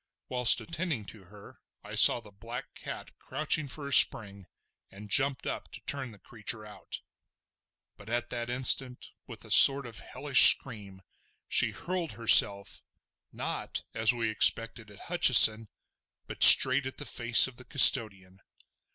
Whilst attending to her I saw the black cat crouching for a spring, and jumped up to turn the creature out. But at that instant, with a sort of hellish scream, she hurled herself, not as we expected at Hutcheson, but straight at the face of the custodian.